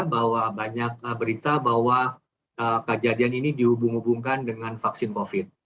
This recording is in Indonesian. bahwa banyak berita bahwa kejadian ini dihubung hubungkan dengan vaksin covid